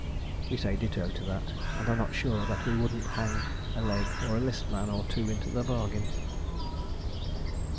We say ditto to that, and are not sure that we wouldn't hang a 'leg' or a 'list' man or two into the bargain.